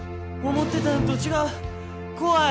思ってたのと違う怖い！